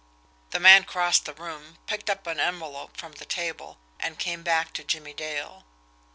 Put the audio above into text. The man crossed the room, picked up an envelope from the table, and came back to Jimmie Dale.